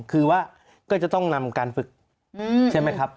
คือว่าก็จะต้องนำการฝึกใช่ไหมครับ